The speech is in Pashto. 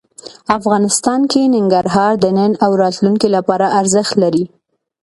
افغانستان کې ننګرهار د نن او راتلونکي لپاره ارزښت لري.